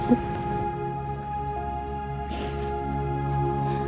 ibu juga percaya sama ibu teacher